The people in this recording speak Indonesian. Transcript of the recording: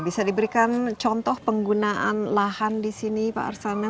bisa diberikan contoh penggunaan lahan di sini pak arsana